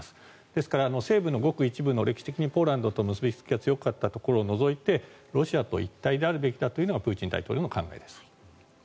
ですから、西部のごく一部の歴史的にポーランドと結びつきが強かったところを除いてロシアと一体であるべきだというのがプーチン大統領の考えです。